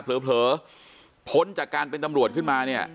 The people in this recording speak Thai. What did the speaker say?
เผลอพ้นจากการเป็นตำรวจขึ้นมาเนี่ย